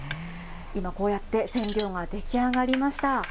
今、こうやって染料が出来上がりました。